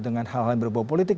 dengan hal hal yang berbau politik